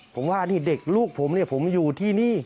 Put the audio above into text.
ผมว่านี่เด็กลูกผมผมอยู่ที่นี่